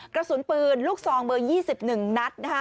กระสุนปืนลูกซองเบอร์๒๑นัด